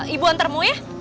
ibu antar mu ya